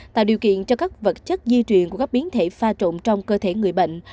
tạo điều kiện cho các vật chất di truyền của các biến thể pha trộn trong cơ thể người bệnh